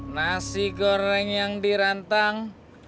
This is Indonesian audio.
nasi goreng yang dirantang